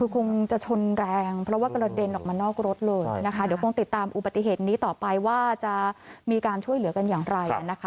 คงจะชนแรงเพราะว่ากระเด็นออกมานอกรถเลยนะคะเดี๋ยวคงติดตามอุบัติเหตุนี้ต่อไปว่าจะมีการช่วยเหลือกันอย่างไรนะคะ